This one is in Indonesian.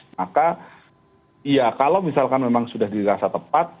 maka ya kalau misalkan memang sudah dirasa tepat